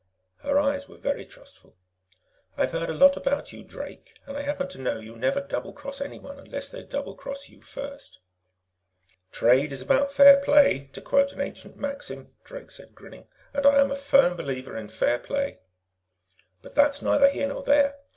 Her eyes were very trustful. "I've heard a lot about you, Drake, and I happen to know you never doublecross anyone unless they doublecross you first." "Trade about is fair play, to quote an ancient maxim," Drake said, grinning. "And I am a firm believer in fair play. "But that's neither here nor there.